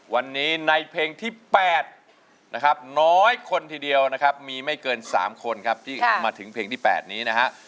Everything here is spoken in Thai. วันนี้ในเพลงที่๘นะครับน้อยคนทีเดียวนะครับมีไม่เกิน๓คนครับที่มาถึงเพลงที่๘นี้นะฮะ